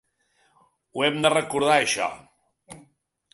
Ho hem de recordar això.